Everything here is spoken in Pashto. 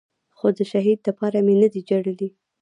خو د شهيد دپاره مې نه دي جړلي.